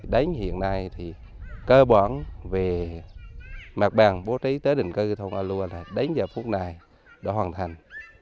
đánh hiện nay thì cơ bản về mặt bằng bố trí tới định cư thông a lua là đánh vào phút này đã hoàn thành